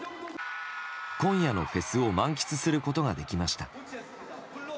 今夜のフェスを満喫することができました。